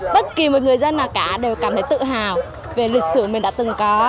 bất kỳ một người dân nào cả đều cảm thấy tự hào về lịch sử mình đã từng có